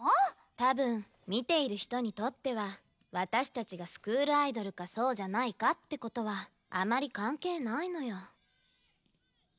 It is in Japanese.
多分見ている人にとっては私たちがスクールアイドルかそうじゃないかって事はあまり関係ないのよ。